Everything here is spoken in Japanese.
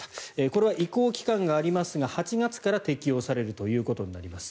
これは移行期間がありますが８月から適用されるということになります。